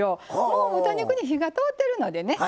もう豚肉に火が通ってるのでね